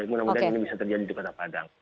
mudah mudahan ini bisa terjadi di kota padang